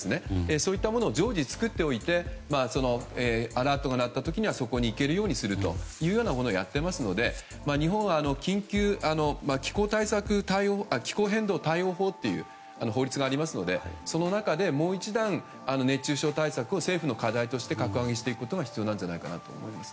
そういったものを常時作っておいてアラートが鳴った時にはそこに行けるようにするということをやっていますので日本は、気候変動対応法という法律がありますのでその中でもう一段熱中症対策を政府の課題として格上げすることが必要だと思います。